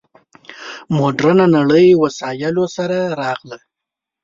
مډرنه نړۍ وسایلو سره راغله.